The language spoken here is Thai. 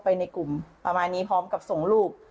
ไม่สบายใจมากตรงนี้